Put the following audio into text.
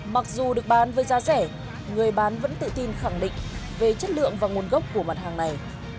mặc dù được bán với giá rẻ người bán vẫn tự tin khẳng định về chất lượng và nguồn gốc của mặt hàng này